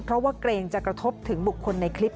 เพราะว่าเกรงจะกระทบถึงบุคคลในคลิป